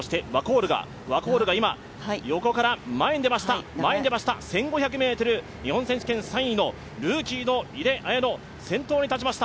ワコールが今、横から前に出ました１５００ｍ、日本選手権３位のルーキーの井手彩乃、先頭に立ちました。